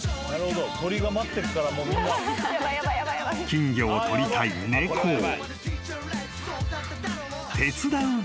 ［金魚をとりたい猫を］